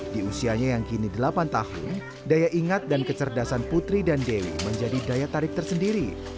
di usianya yang kini delapan tahun daya ingat dan kecerdasan putri dan dewi menjadi daya tarik tersendiri